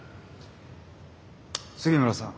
杉村さん